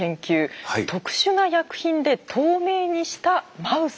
特殊な薬品で透明にしたマウス。